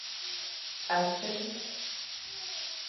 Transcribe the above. A sen.